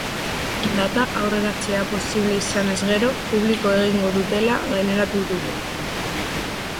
Data aurreratzea posible izanez gero, publiko egingo dutela gaineratu du.